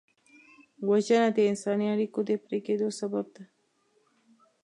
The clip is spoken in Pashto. وژنه د انساني اړیکو د پرې کېدو سبب ده